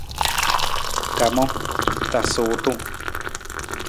Kamang, tasa wutung.